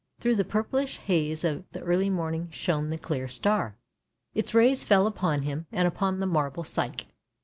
Through the purplish haze of the early morning shone the clear star; its rays fell upon him and upon the marble Psyche.